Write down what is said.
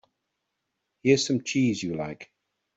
Here's some cheese you like.